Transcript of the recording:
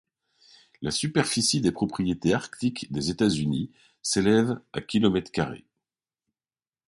La superficie des propriétés arctique des États-Unis s’élève à kilomètres carrés.